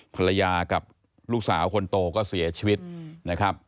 ภรรยากับลูกสาวคนโตก็เสียชีวิตนะครับ